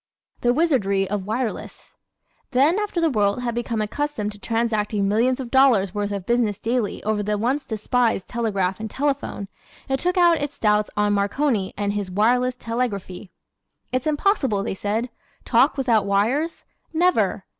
The Wizardry of Wireless ¶ Then after the world had become accustomed to transacting millions of dollars worth of business daily over the once despised telegraph and telephone it took out its doubts on Marconi and his "wireless telegraphy." "It's impossible," they said. "Talk without wires? Never!"